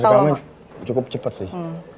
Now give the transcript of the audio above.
proses rekamannya cukup cepet sih